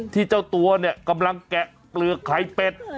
เจ้าตัวเนี่ยกำลังแกะเปลือกไข่เป็ด